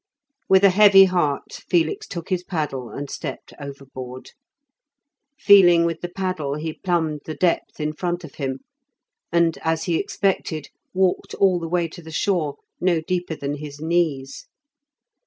With a heavy heart, Felix took his paddle and stepped overboard. Feeling with the paddle, he plumbed the depth in front of him, and, as he expected, walked all the way to the shore, no deeper than his knees.